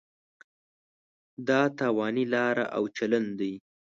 دا تاواني لاره او چلن دی.